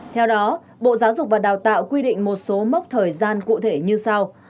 theo đó bộ giáo dục và đào tạo quy định một số mốc thời gian cụ thể như sau